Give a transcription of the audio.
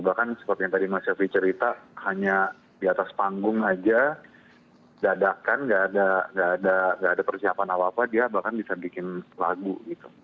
bahkan seperti yang tadi mas syafri cerita hanya di atas panggung aja dadakan nggak ada persiapan apa apa dia bahkan bisa bikin lagu gitu